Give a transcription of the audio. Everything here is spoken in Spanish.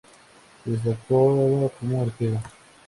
Se destacaba como arquero.